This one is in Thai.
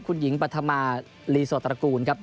คุณหญิงปัธมารีโสตระกูล